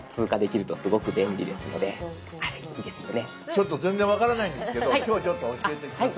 ちょっと全然分からないんですけど今日はちょっと教えて下さい。